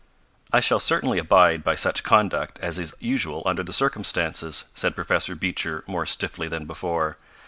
"I shall certainly abide by such conduct as is usual under the circumstances," said Professor Beecher more stiffly than before.